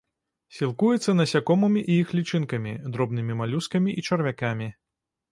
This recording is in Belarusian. Сілкуецца насякомымі і іх лічынкамі, дробнымі малюскамі і чарвякамі.